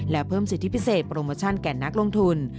และเพิ่มสิทธิพิเศษโปรโมชั่นแก่นักลงทุน